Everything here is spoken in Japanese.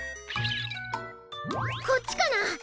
こっちかな？